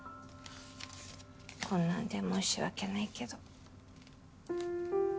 こんなんで申し訳ないけど。